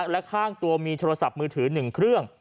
และข้างตัวมีโทรศัพท์มือถือ๑เครื่อง